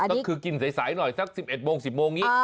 อ๋อเหรอคือกินใสหน่อยจาก๑๑โมง๑๐โมงนี้